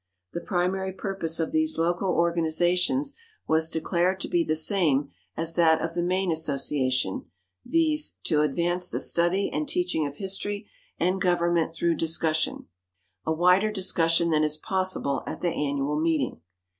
The primary purpose of these local organizations was declared to be the same as that of the main association, viz., "to advance the study and teaching of history and government through discussion," a wider discussion than is possible at the annual meeting.